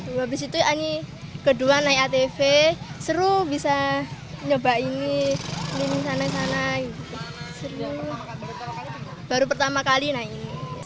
habis itu kedua naik atv seru bisa nyoba ini sana sana baru pertama kali naik ini